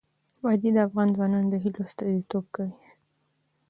وادي د افغان ځوانانو د هیلو استازیتوب کوي.